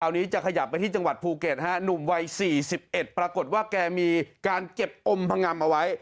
อันนี้จะขยับไปที่จังหวัดภูเก็ตฮะหนุ่มวัย๔๑ปรากฏว่าแกมีการเก็บอมพงำเอาไว้